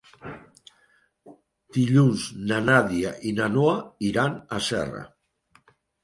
Dilluns na Nàdia i na Noa iran a Serra.